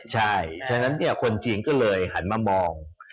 ใช่ฉะนั้นคนจีนก็เลยหันมามอง